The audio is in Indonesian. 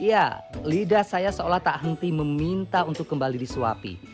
ya lidah saya seolah tak henti meminta untuk kembali disuapi